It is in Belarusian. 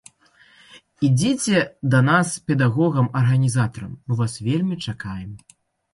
Ідзіце да нас педагогам-арганізатарам, мы вас вельмі чакаем.